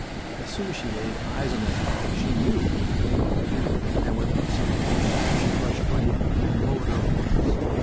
As soon as she laid eyes on that dog she knew what he was going to do, and without speaking a word, she rushed right at him and lowered her horns.